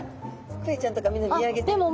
クエちゃんとかみんな見上げてる。